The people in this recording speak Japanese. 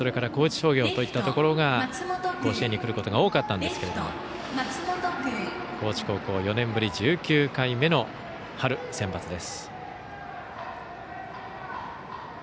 高知商業といったところが甲子園に来ることが多かったんですけれども高知高校、４年ぶり１９回目の春センバツです。